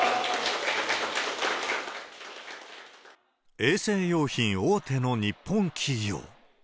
衛生用品大手の日本企業。